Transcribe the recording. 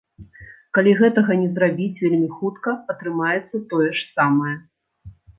Калі гэтага не зрабіць вельмі хутка, атрымаецца тое ж самае.